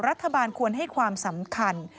รัฐบาลควรให้ความสำคัญ